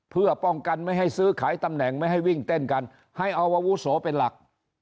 เพื่อป้องกันไม่ให้ซื้อขายตำแหน่งไม่ให้วิ่งเต้นกันให้อาวุโสเป็นหลัก